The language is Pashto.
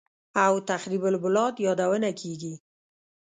او «تخریب البلاد» یادونه کېږي